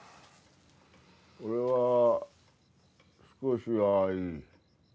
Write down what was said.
俺は少しはいい。